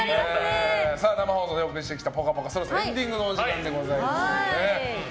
生放送でお送りしてきた「ぽかぽか」そろそろエンディングのお時間でございますね。